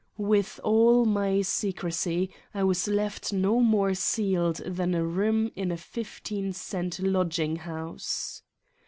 With all my secrecy I was left no more sealed than a room in a fifteen cent lodging house.